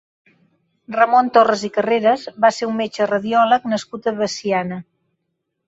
Ramon Torres i Carreras va ser un metge radiòleg nascut a Veciana.